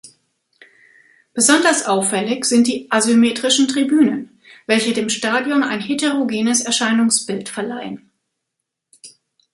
Besonders auffällig sind die asymmetrischen Tribünen, welche dem Stadion ein heterogenes Erscheinungsbild verleihen.